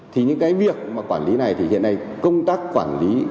thì những cái việc mà quản lý này thì hiện nay công tác quản lý